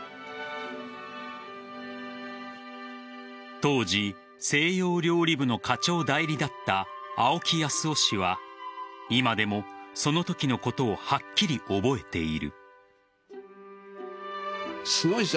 当時西洋料理部の課長代理だった青木靖男氏は今でも、そのときのことをはっきり覚えている。